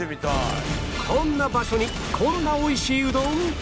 こんな場所にこんな美味しいうどん！？